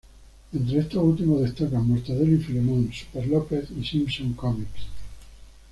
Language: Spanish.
Entre estos últimos destacan Mortadelo y Filemón, Superlópez y Simpsons Comics.